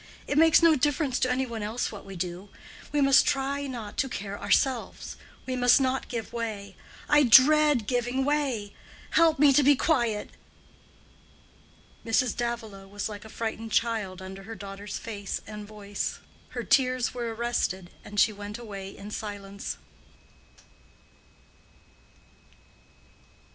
It makes no difference to any one else what we do. We must try not to care ourselves. We must not give way. I dread giving way. Help me to be quiet." Mrs. Davilow was like a frightened child under her daughter's face and voice; her tears were arrested and she went away in silence.